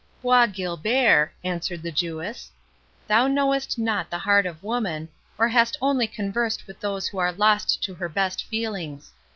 "Bois Guilbert," answered the Jewess, "thou knowest not the heart of woman, or hast only conversed with those who are lost to her best feelings.